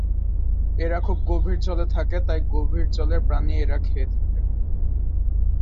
এরা খুব গভীর জলে থাকে তাই গভীর জলের প্রাণী এরা খেয়ে থাকে।